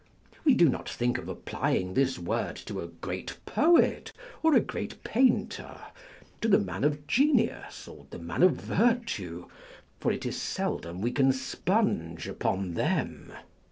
We do not think of applying this word to a great poet or a great painter, to the man of genius, or the man of virtue, for it is seldom we can sponge upon them.